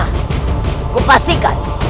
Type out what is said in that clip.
hah aku pastikan